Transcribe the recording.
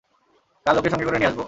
কাল ওকে সঙ্গে করে নিয়ে আসবো।